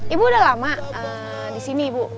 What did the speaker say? ibu udah lama di sini ibu